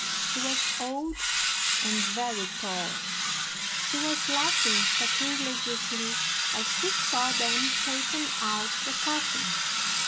She was old and very tall. She was laughing sacrilegiously as she saw them taking out the coffin.